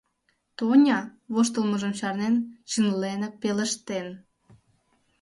Тоня, воштылмыжым чарнен, чынленак пелештен: